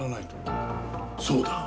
そうだ。